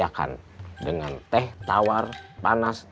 raih akan dengan teh tawar panas